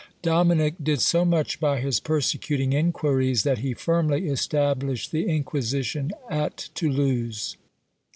Dominic did so much by his persecuting inquiries, that he firmly established the Inquisition at Toulouse.